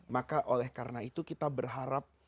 maka oleh karena itu kita berharap